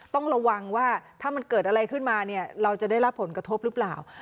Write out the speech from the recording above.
ต้องระวังว่าถ้ามันเกิดอะไรขึ้นมาเนี่ยเราจะได้รับผลกระทบหรือเปล่า